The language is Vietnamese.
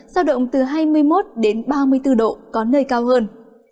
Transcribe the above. giao động từ hai mươi một đến ba mươi bốn độ có nơi cao hơn